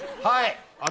はい。